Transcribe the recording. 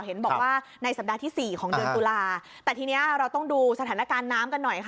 เห็นบอกว่าในสัปดาห์ที่สี่ของเดือนตุลาแต่ทีนี้เราต้องดูสถานการณ์น้ำกันหน่อยค่ะ